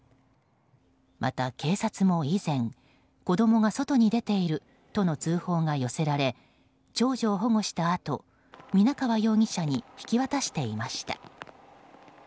また、警察も以前子供が外に出ているとの通報が寄せられ長女を保護したあと皆川容疑者に引き渡していました。